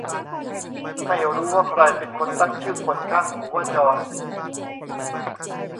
ไม่รู้ว่าใครเป็นคนตั้งชื่อขนข้างหูว่าจอน